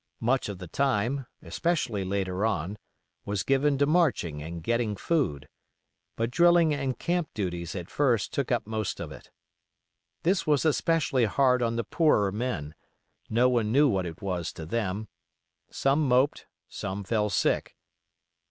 Much of the time—especially later on—was given to marching and getting food; but drilling and camp duties at first took up most of it. This was especially hard on the poorer men, no one knew what it was to them. Some moped, some fell sick.